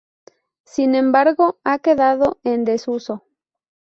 Sin embargo ha quedado en desuso.